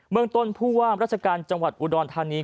เมืองต้นผู้ว่ามราชการจังหวัดอุดรธานี